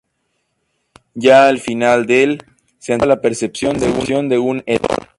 Ya al final del se anticipaba la percepción de un hedor.